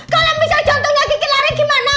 kau gak bisa jantungnya kiki lari gimana